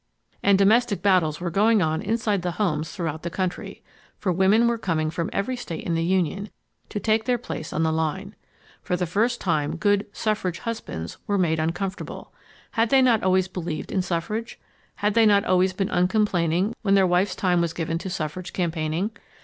And domestic battles were going on inside the homes throughout the country, for women were coming from every state in the Union, to take their place on the line. For the first time good "suffrage husbands" were made uncomfortable. Had they not always believed in suffrage? Had they not always been uncomplaining when their wife's time was given to suffrage campaigning?